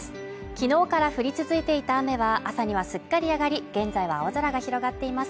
昨日から降り続いていた雨は朝にはすっかり上がり、現在は青空が広がっています。